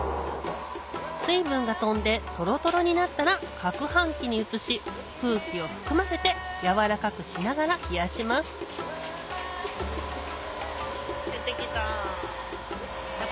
水分が飛んでトロトロになったらかくはん機に移し空気を含ませて軟らかくしながら冷やします出てきた。